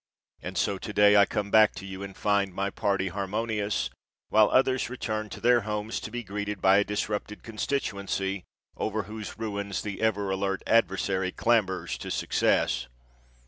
And so to day I come back to you and find my party harmonious, while others return to their homes to be greeted by a disrupted constituency, over whose ruins the ever alert adversary clambers to success.